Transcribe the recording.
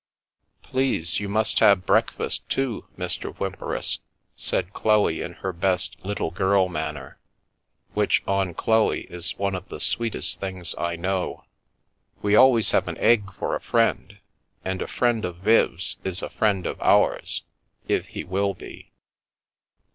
" Please, you must have breakfast, too, Mr. Whym peris," said Chloe, in her best " little girl " manner, which, on Chloe, is one of the sweetest things I know. " We always have an egg for a friend, and a friend of Viv's is a friend of ours — if he will be."